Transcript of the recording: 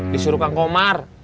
disuruh kang komar